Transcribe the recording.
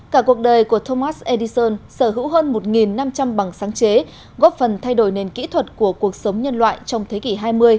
cả cuộc đời của thomas edison sở hữu hơn một năm trăm linh bằng sáng chế góp phần thay đổi nền kỹ thuật của cuộc sống nhân loại trong thế kỷ hai mươi